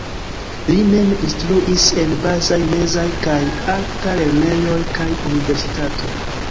Li mem instruis en bazaj, mezaj kaj alta lernejoj kaj universitato.